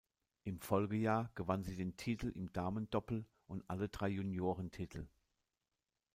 Im Folgejahr gewann sie den Titel im Damendoppel und alle drei Juniorentitel.